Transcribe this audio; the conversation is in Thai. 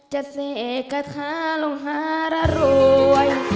จะเสกกระทะลงหาระรวย